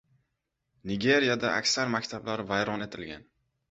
Nigeriyada aksar maktablar vayron etilgan.